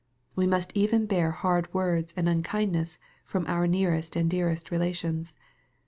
We must even bear hard words and unkindness from our nearest and dearest relations.